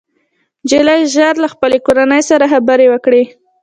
نجلۍ ژر له خپلې کورنۍ سره خبرې وکړې